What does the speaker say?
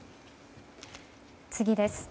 次です。